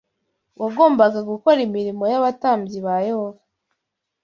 wagombaga gukora imirimo y’abatambyi ba Yehova